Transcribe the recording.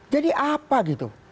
jadi apa gitu